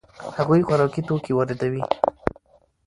هغوی خوراکي توکي واردوي.